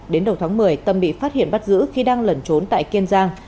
đến đầu tháng một mươi tâm bị phát hiện bắt giữ khi đang lẩn trốn tại kiên giang